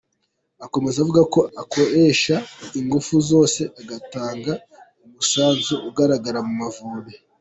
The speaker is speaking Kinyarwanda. Akomeza avuga ko azakoresha ingufuze zose agatanga umusanzu ugaragara mu Amavubi.